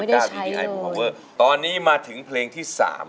ยังไม่ได้ใช้เลยตอนนี้มาถึงเพลงที่๓